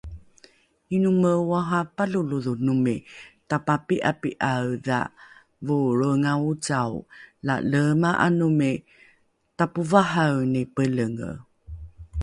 Inome oahapa lolodhonomi tapapi'api'aedha voolroenga ocao la leema'anomi tapovahaeni Pelenge